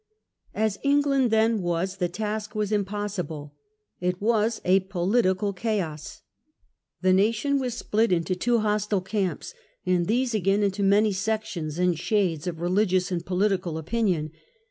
As England then was, the task was impossible. It was a political chaos. The nation was split into two hostile camps, and these again into many sections and shades of religious and political opinion.